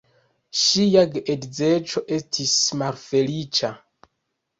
Ŝia geedzeco estis malfeliĉa.